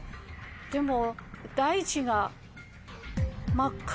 でも。